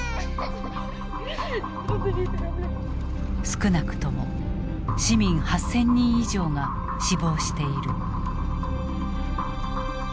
少なくとも市民８，０００人以上が死亡している。